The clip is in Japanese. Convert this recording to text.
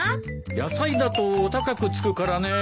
野菜だと高くつくからね。